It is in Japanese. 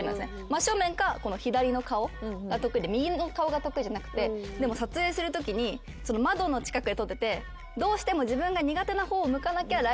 真っ正面か左の顔が得意で右の顔が得意じゃなくてでも撮影するときに窓の近くで撮っててどうしても。